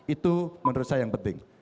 itu menurut saya yang penting